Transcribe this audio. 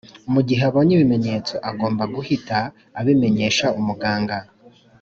Mugihe abonye ibimenyetso agomba guhita abimenyesha umuganga